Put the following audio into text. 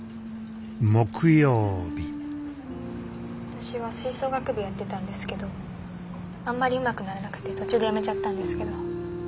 私は吹奏楽部やってたんですけどあんまりうまくならなくて途中でやめちゃったんですけど。